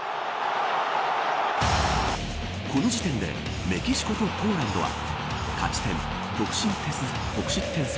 この時点でメキシコとポーランドは勝ち点、得失点差